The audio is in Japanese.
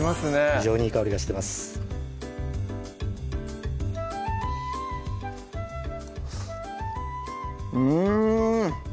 非常にいい香りがしてますうん！